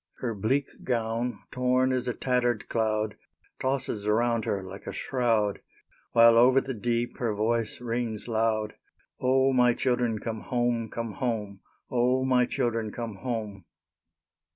Her bleak gown, torn as a tattered cloud, Tosses around her like a shroud, While over the deep her voice rings loud, "O, my children, come home, come home! O, my children, come home!"